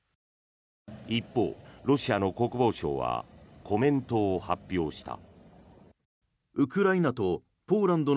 一方、ロシアの国防省はコメントを発表した。